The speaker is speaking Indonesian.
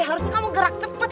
harusnya kamu gerak cepat